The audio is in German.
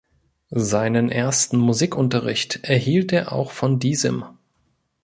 Seinen ersten Musikunterricht erhielt er auch von diesem.